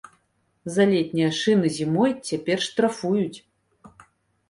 За летнія шыны зімой цяпер штрафуюць.